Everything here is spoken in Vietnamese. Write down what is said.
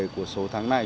của số tháng này